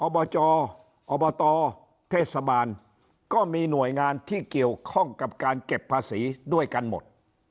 อบจอบตเทศบาลก็มีหน่วยงานที่เกี่ยวข้องกับการเก็บภาษีด้วยกันหมด